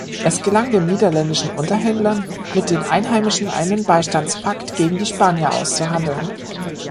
Es gelang den niederländischen Unterhändlern, mit den Einheimischen einen Beistandspakt gegen die Spanier auszuhandeln.